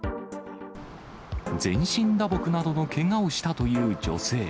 全身打撲などのけがをしたという女性。